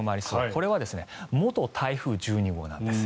これは元台風１２号なんです。